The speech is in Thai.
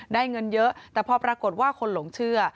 เงินเยอะแต่พอปรากฏว่าคนหลงเชื่อ